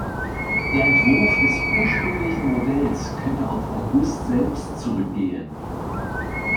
Der Entwurf des ursprünglichen Modells könnte auf August selbst zurückgehen.